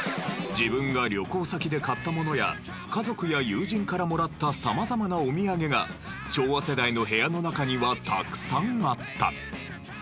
自分が旅行先で買ったものや家族や友人からもらった様々なおみやげが昭和世代の部屋の中にはたくさんあった。